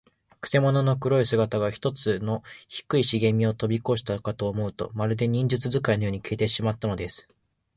くせ者の黒い姿が、ひとつの低いしげみをとびこしたかと思うと、まるで、忍術使いのように、消えうせてしまったのです。